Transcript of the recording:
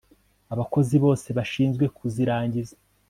abakozi bose bashinzwe kuzirangiza